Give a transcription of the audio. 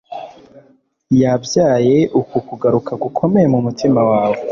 Yabyaye uku kugaruka gukomeye mumutima wawe